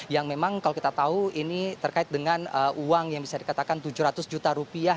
yang memang kalau kita tahu ini terkait dengan uang yang bisa dikatakan tujuh ratus juta rupiah